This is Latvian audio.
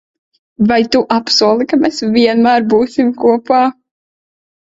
Vai tu apsoli, ka mēs vienmēr būsim kopā?